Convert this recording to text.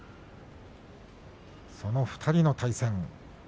この２人の対戦。